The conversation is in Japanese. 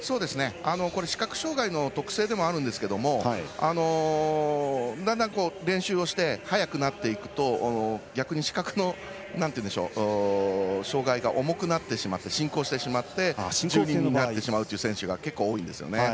視覚障がいの特性でもあるんですがだんだん、練習をして速くなっていくと逆に視覚の障がいが重くなってしまって進行してしまって１２になってしまうという選手が結構多いんです。